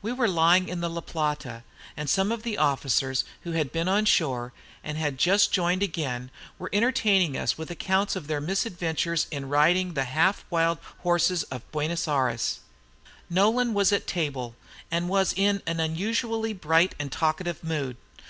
We were lying in the La Plata, and some of the officers, who had been on shore and had just joined again, were entertaining us with accounts of their misadventures in riding the half wild horses of Buenos Ayres. Nolan was at table, and was in an unusually bright and talkative mood.